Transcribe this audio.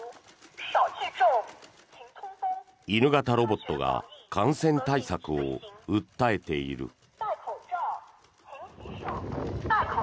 犬型ロボットが感染対策を訴えている。